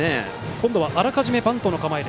今度はあらかじめバントの構え。